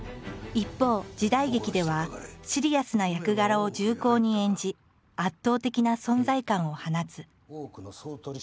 一方時代劇ではシリアスな役柄を重厚に演じ圧倒的な存在感を放つ。